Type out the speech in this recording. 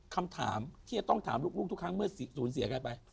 คำถามที่จะต้องถามลูกทุกครั้งเมื่อสูญเสียกันไป